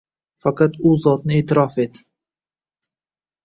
Faqat U Zotni eʼtirof et